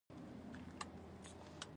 د فعال اوسېدنې چلند.